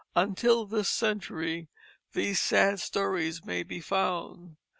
Until this century these sad stories may be found.